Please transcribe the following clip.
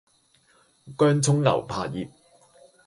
薑蔥牛柏葉